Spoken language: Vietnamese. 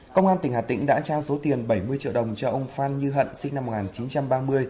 công an tỉnh hà tĩnh đã trao số tiền bảy mươi triệu đồng cho ông phan như hận sinh năm một nghìn chín trăm ba mươi